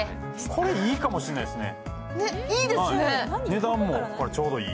これ、いいかもしれないっすね。